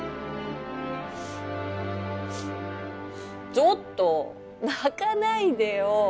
ちょっと泣かないでよ